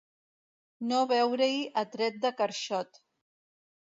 No veure-hi a tret de carxot.